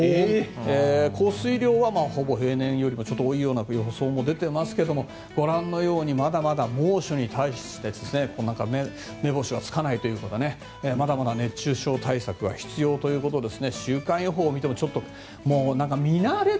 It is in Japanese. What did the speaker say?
降水量はほぼ平年よりもちょっと多いような予想も出ていますがご覧のようにまだまだ猛暑に対してめぼしはつかないというかまだまだ熱中症対策は必要ということです。